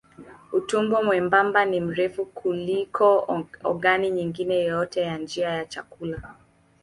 Utumbo mwembamba ni mrefu kuliko ogani nyingine yoyote ya njia ya chakula.